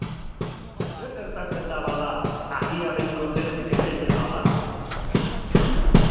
Zer gertatzen da, bada, haria behingoz eteten bada?